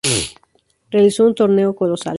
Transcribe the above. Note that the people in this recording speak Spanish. Realizó un torneo colosal.